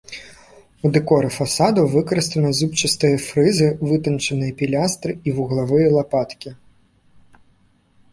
У дэкоры фасадаў выкарыстаны зубчастыя фрызы, вытанчаныя пілястры і вуглавыя лапаткі.